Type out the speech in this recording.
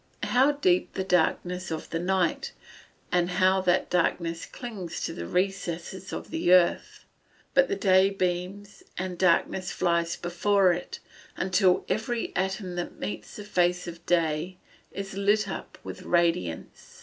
How deep the darkness of the night, and how that darkness clings to the recesses of the earth. But the day beams, and darkness flies before it, until every atom that meets the face of day is lit up with radiance.